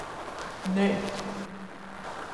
Neit.